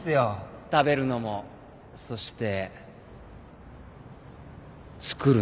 食べるのもそして作るのも